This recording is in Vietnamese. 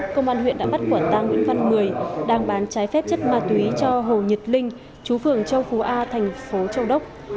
công an huyện đã bắt quả tang nguyễn văn mười đang bán trái phép chất ma túy cho hồ nhật linh chú phường châu phú a thành phố châu đốc